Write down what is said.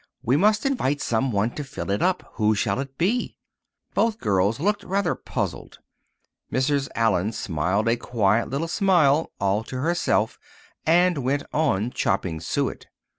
We must invite someone to fill it up. Who shall it be?" Both girls looked rather puzzled. Mrs. Allen smiled a quiet little smile all to herself and went on chopping suet.